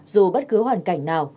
dù bất cứ hoàn cảnh nào